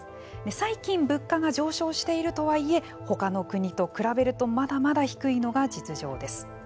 最近物価が上昇しているとはいえほかの国と比べるとまだまだ低いのが実情です。